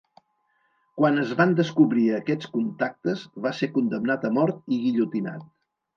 Quan es van descobrir aquests contactes, va ser condemnat a mort i guillotinat.